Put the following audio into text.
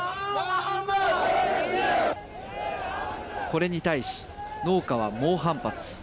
これに対し、農家は猛反発。